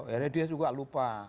ya dia suka lupa